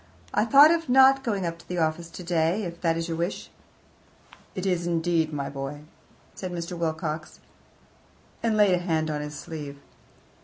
I thought of not going up to the office today, if that is your wish." "It is, indeed, my boy," said Mr. Wilcox, and laid a hand on his sleeve.